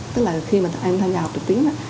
tức là khi mà em tham gia học trực tuyến